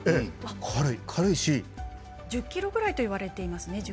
１０ｋｇくらいといわれています。